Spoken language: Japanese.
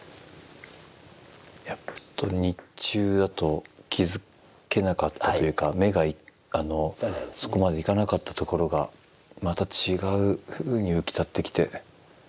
やっぱりちょっと日中だと気付けなかったというか目があのそこまで行かなかったところがまた違うふうに浮き立ってきて。